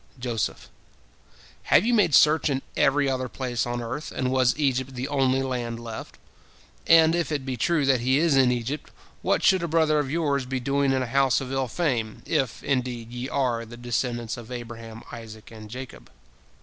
Joseph: "Have ye made search in every other place on earth, and was Egypt the only land left? And if it be true that he is in Egypt, what should a brother of yours be doing in a house of ill fame, if, indeed, ye are the descendants of Abraham, Isaac, and Jacob?"